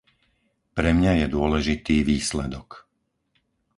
Pre mňa je dôležitý výsledok.